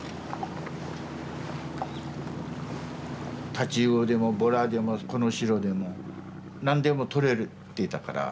太刀魚でもボラでもコノシロでも何でもとれてたから。